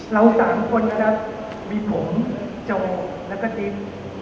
เราสามคนนะครับมีผมเจ้าแล้วก็ดิน